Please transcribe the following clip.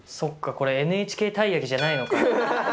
これ「ＮＨＫたい焼き」じゃないのか。